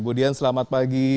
budian selamat pagi